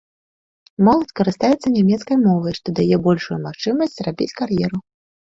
Моладзь карыстаецца нямецкай мовай, што дае большую магчымасць зрабіць кар'еру.